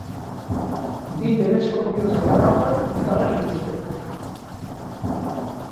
Bi teleskopio zeramatzan izarrak ikusteko.